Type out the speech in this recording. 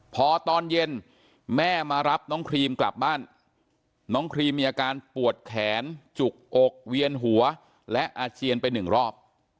พอตอนเย็นแม่มารับน้องครีมกลับบ้านน้องครีมมีอาการปวดแขนจุกอกเวียนหัวและอาเจียนไปหนึ่งรอบ